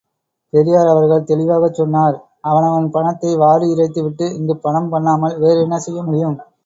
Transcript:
பெரியார் அவர்கள் தெளிவாகச் சொன்னார், அவனவன் பணத்தை வாரி இறைத்துவிட்டு இங்குப் பணம் பண்ணாமல் வேறு என்ன செய்யமுடியும்.